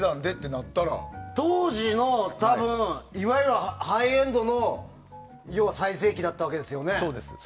だって当時のいわゆるハイエンドの再生機だったわけですよね。